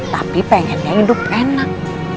tapi pengennya hidup enak